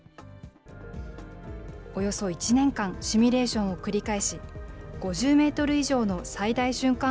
およそ１年間、シミュレーションを繰り返し、５０メートル以上の最大瞬間